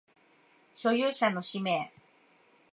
所有者の氏名